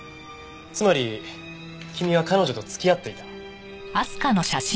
つまり君は彼女と付き合っていた。